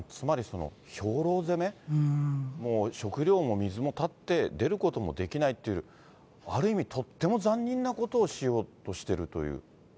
もう食料も水もたって、出ることもできないっていう、ある意味、とっても残忍なことをしようとしてるという。